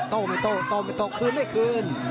โต้มิโต้โต้มิโตโตคืนหรือไม่คืน